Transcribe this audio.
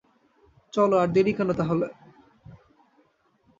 চলো আর দেরি কেন তাহলে!